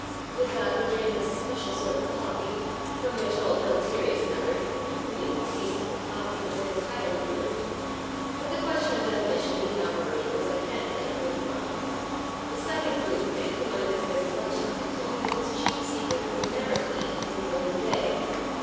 With that we drank a special sort of coffee, from which all deleterious matter, including the taste of coffee, had been entirely removed. But the question of definition need not worry you, as I can't claim to have won. The second food 54 The Free Meal Problem crank, whom I visited at lunch time, told me that his chief secret was never to eat in the middle of the day.